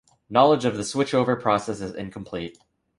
Knowledge of the "switchover" process is incomplete.